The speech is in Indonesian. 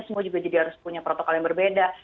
semua juga jadi harus punya protokol yang berbeda